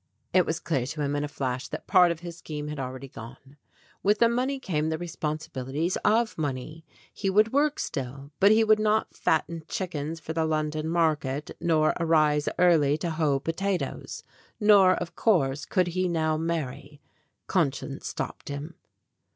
It was clear to him in a flash that part of his scheme had already gone. With the money came the respon sibilities of money. He would work still but he would not fatten chickens for the London market, nor arise early to hoe potatoes. Nor, of course, could he now marry conscience stopped him.